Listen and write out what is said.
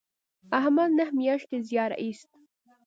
احمد نهه میاشتې زیار ایست.